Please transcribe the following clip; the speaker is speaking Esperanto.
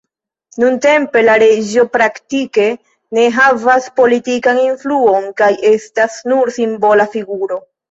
Nuntempe la reĝo praktike ne havas politikan influon kaj estas nur simbola figuro.